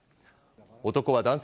男は男性